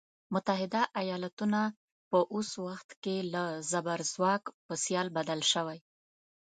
متحده ایالتونه په اوس وخت کې له زبرځواک په سیال بدل شوی.